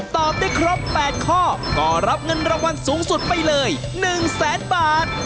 ตอบได้ครบ๘ข้อก็รับเงินรางวัลสูงสุดไปเลย๑แสนบาท